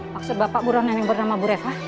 maksud bapak buron yang bernama bu reva